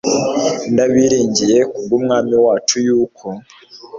ndabiringiye ku bw umwami wacu yuko